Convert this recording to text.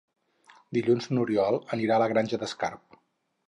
Dilluns n'Oriol anirà a la Granja d'Escarp.